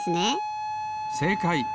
せいかい。